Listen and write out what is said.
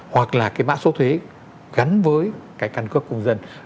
hoặc là cái mã số thuế gắn với cái căn cước công dân